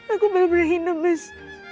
aku benar benar hina mas